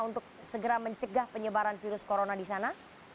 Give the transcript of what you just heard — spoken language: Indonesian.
untuk segera mencegah penyebaran virus corona di sana